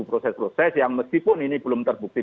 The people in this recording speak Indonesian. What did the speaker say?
proses proses yang meskipun ini belum terbukti